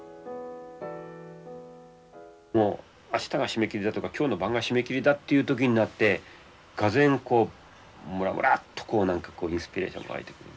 もう明日が締め切りだとか今日の晩が締め切りだっていう時になってがぜんこうムラムラッとこう何かこうインスピレーションが湧いてくる。